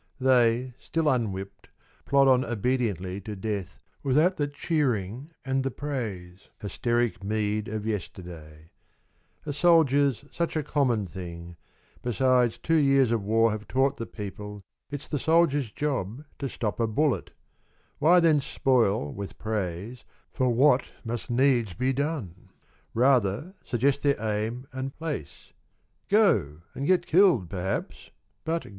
They, still unwhipped, Plod on obediently to death Without the cheering and the praise Hysteric meed of yesterday ; A soldier's such a common thing, Besides two years of war have taught The people it's the soldiers' job To stop a bullet : why then spoil With praise for what must needs be done ? Rather, suggest their aim and place :—' Go, and get killed perhaps, but go